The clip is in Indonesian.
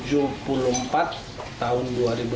dan nomor tujuh puluh lima tahun dua ribu lima belas